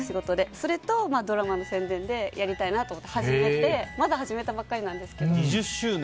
それとドラマの宣伝でやりたいなと思って始めてまだ始めたばかりなんですが２０周年。